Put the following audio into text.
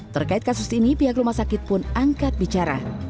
terkait kasus ini pihak rumah sakit pun angkat bicara